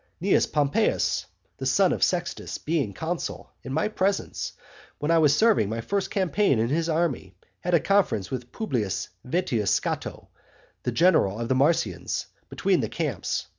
Cnaeus Pompeius, the son of Sextus, being consul, in my presence, when I was serving my first campaign in his army, had a conference with Publius Vettius Scato, the general of the Marsians, between the camps.